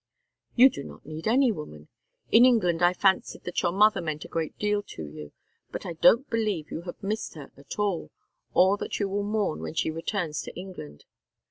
"You do not need any woman. In England I fancied that your mother meant a great deal to you, but I don't believe you have missed her at all or that you will mourn when she returns to England.